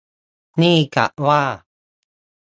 นี่กะว่า